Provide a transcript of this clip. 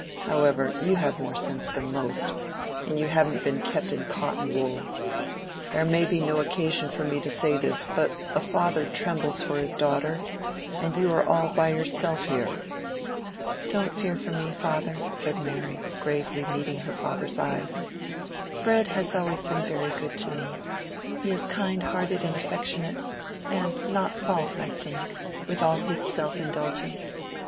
However, you have more sense than most, and you haven't been kept in cotton wool: there may be no occasion for me to say this, but a father trembles for his daughter, and you are all by yourself here." "Don't fear for me, father," said Mary, gravely meeting her father's eyes; "Fred has always been very good to me; he is kind hearted and affectionate, and not false, I think, with all his self indulgence.